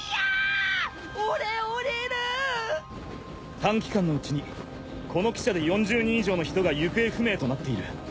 短期間のうちにこの汽車で４０人以上の人が行方不明となっている。